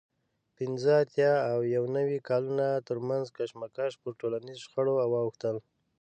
د پینځه اتیا او یو نوي کالونو ترمنځ کشمکش پر ټولنیزو شخړو واوښتلو